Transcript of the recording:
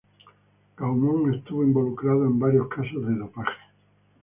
Gaumont estuvo involucrado en varios casos de dopaje.